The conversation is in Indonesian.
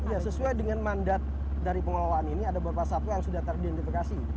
ya sesuai dengan mandat dari pengelolaan ini ada beberapa satwa yang sudah teridentifikasi